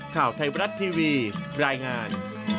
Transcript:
ข่าวไทยบรัฐทีวีรายงาน